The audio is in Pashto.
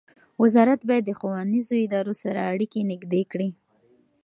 وزارت باید د ښوونیزو ادارو سره اړیکې نږدې کړي.